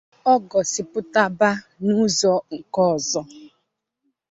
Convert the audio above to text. o gosipụtaba n'ụzọ nke ọzọ